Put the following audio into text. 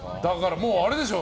もう、あれでしょ。